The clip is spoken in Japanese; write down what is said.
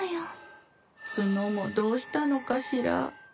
角もどうしたのかしら？